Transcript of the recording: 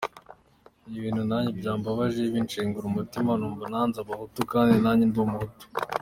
Ni ibintu nanjye byambabaje binshengura umutima, numva nanze abahutu kandi nanjye ndi umuhutu.